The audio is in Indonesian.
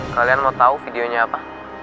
kalian mau tahu videonya apa